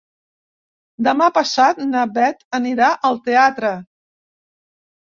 Demà passat na Beth anirà al teatre.